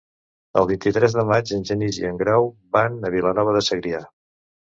El vint-i-tres de maig en Genís i en Grau van a Vilanova de Segrià.